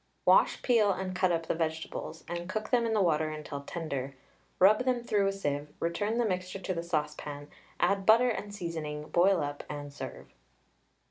Wash, peel, and cut up the vegetables, and cook them in the water until tender. Rub them through a sieve, return the mixture to the saucepan, add butter and seasoning, boil up, and serve.